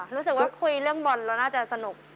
รู้สึกว่าคุยเรื่องบอลเราน่าจะสนุก